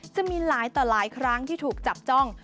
จะมีหลายต่อหลายครั้งที่ถูกจับจ้อง